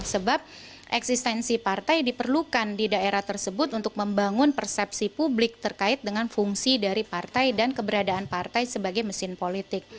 sebab eksistensi partai diperlukan di daerah tersebut untuk membangun persepsi publik terkait dengan fungsi dari partai dan keberadaan partai sebagai mesin politik